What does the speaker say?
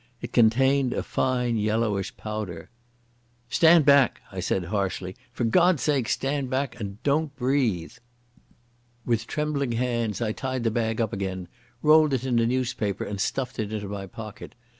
It contained a fine yellowish powder. "Stand back," I said harshly. "For God's sake, stand back and don't breathe." With trembling hands I tied up the bag again, rolled it in a newspaper, and stuffed it into my pocket.